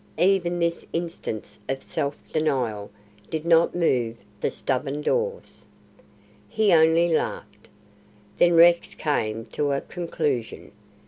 Even this instance of self denial did not move the stubborn Dawes. He only laughed. Then Rex came to a conclusion.